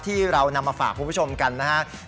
ที่เรานำมาฝากคุณผู้ชมกันนะครับ